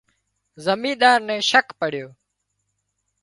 زمينۮار نين شڪ پڙيو